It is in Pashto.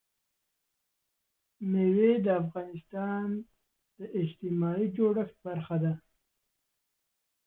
مېوې د افغانستان د اجتماعي جوړښت برخه ده.